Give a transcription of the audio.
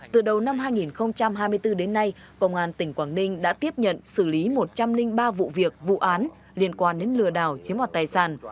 từ đầu năm hai nghìn hai mươi bốn đến nay công an tỉnh quảng ninh đã tiếp nhận xử lý một trăm linh ba vụ việc vụ án liên quan đến lừa đảo chiếm hoạt tài sản